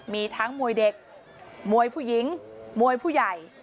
มีทั้งมวยเด็กมวยผู้หญิงมวยผู้ใหญ่